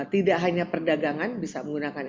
tidak hanya perdagangan bisa menggunakan